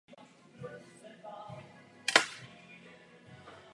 Brzy poté zanikla i její veřejná webová prezentace.